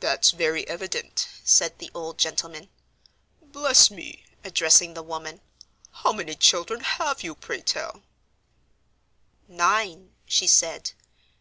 "That's very evident," said the old gentleman. "Bless me!" addressing the woman, "how many children have you, pray tell?" "Nine," she said.